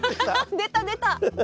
出た出た！